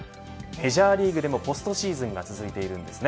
メジャーリーグでもポストシーズンが続いています。